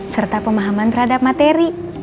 serta pemahaman terhadap materi